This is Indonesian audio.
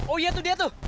oh iya tuh dia tuh